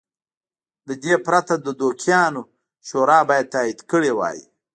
له دې پرته د دوکیانو شورا باید تایید کړی وای.